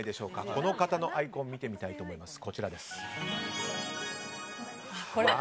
この方のアイコンを見てみたいと思います。